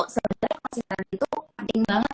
sebenarnya konsisten itu penting banget